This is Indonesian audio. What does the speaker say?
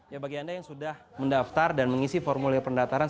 ya bagi anda yang sudah mendaftar dan mengisi formulir pendaftaran